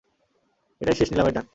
এটাই শেষ নিলামের ডাক।